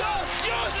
よし！